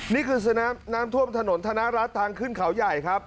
นี่คือสนามน้ำท่วมถนนธนรัฐทางขึ้นเขาใหญ่ครับ